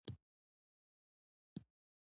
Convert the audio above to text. خدای ته شکر جدي صدمه ورته متوجه نه وه.